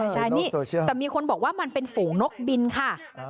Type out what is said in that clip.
ใช่นี่แต่มีคนบอกว่ามันเป็นฝูงนกบินค่ะ